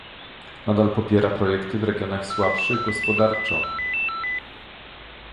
Nadal popiera projekty w regionach słabszych gospodarczo